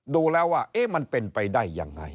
ดูแล้วว่ามันเป็นไปได้ยังไง